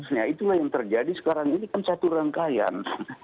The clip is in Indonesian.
nah itulah yang terjadi sekarang ini kan satu rangkaian